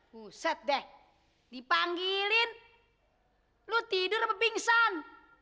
buset deh dipanggilin lo tidur apa pingsan